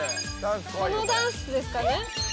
このダンスですかね。